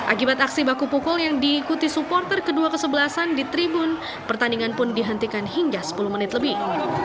akibat aksi baku pukul yang diikuti supporter kedua kesebelasan di tribun pertandingan pun dihentikan hingga sepuluh menit lebih